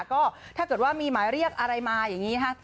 ก็ถ้าเกิดว่ามีหมายเรียกอะไรมาอย่างนี้ค่ะ